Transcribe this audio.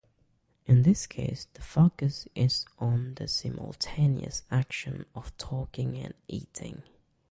In this case, the focus is on the simultaneous actions of talking and eating.